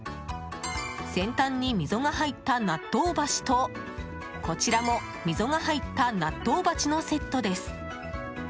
先端に溝が入った、納豆箸とこちらも溝が入った納豆鉢のセットです。